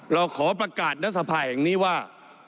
เราขอประกาศรัฐสภาแห่งนี้ว่า